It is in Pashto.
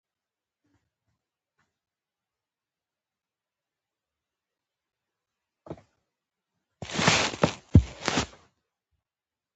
دلته له منصفه پلاوي جوړه محکمه هم موجوده وه